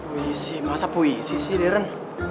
puisi masa puisi sih diren